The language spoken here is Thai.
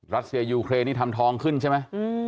รัสเซียยูเครนนี่ทำทองขึ้นใช่ไหม